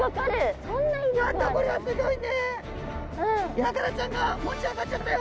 ヤガラちゃんが持ち上がっちゃったよ！